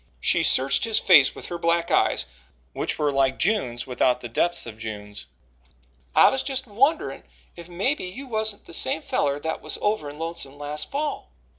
She searched his face with her black eyes, which were like June's without the depths of June's. "I was just a wonderin' if mebbe you wasn't the same feller that was over in Lonesome last fall."